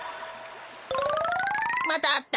またあった。